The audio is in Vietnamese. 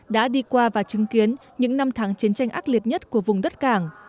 đã đi qua và chứng kiến những năm tháng chiến tranh ác liệt nhất của vùng đất cảng